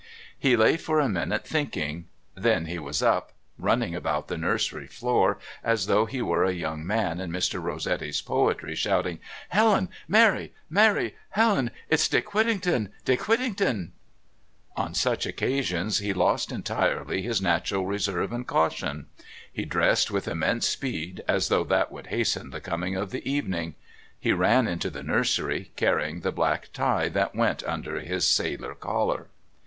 He lay for a minute thinking then he was up, running about the nursery floor as though he were a young man in Mr. Rossetti's poetry shouting: "Helen! Mary! Mary! Helen!... It's Dick Whittington! Dick Whittington!" On such occasions he lost entirely his natural reserve and caution. He dressed with immense speed, as though that would hasten the coming of the evening. He ran into the nursery, carrying the black tie that went under his sailor collar.